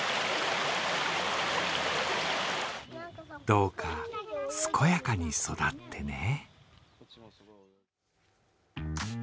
どうか、健やかに育ってね。